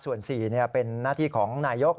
ส่วน๔เป็นหน้าที่ของนายก